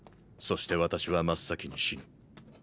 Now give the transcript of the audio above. そして私は真っ先に死ぬ。